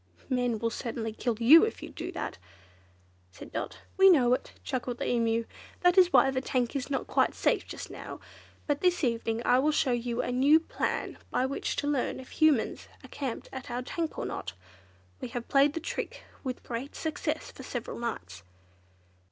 "Men will certainly kill you, if you do that," said Dot. "We know it," chuckled the Emu; "that is why the tank is not quite safe just now. But this evening I will show you a new plan by which to learn if Humans are camped at a tank, or not. We have played the trick with great success for several nights."